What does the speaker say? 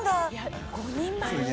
５人前？